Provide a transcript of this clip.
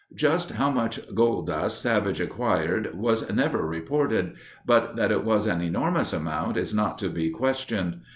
Just how much gold dust Savage acquired was never reported, but that it was an enormous amount is not to be questioned.